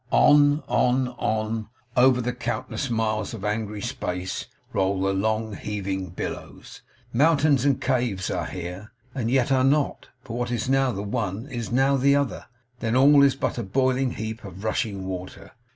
On, on, on, over the countless miles of angry space roll the long heaving billows. Mountains and caves are here, and yet are not; for what is now the one, is now the other; then all is but a boiling heap of rushing water.